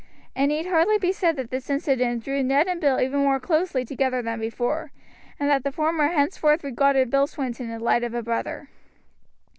It need hardly be said that this incident drew Ned and Bill even more closely together than before, and that the former henceforth regarded Bill Swinton in the light of a brother.